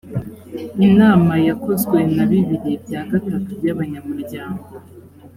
inama yakozwe na bibiri bya gatatu by’abanyamuryango